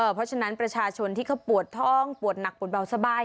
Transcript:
เพราะฉะนั้นประชาชนที่เขาปวดท้องปวดหนักปวดเบาสบาย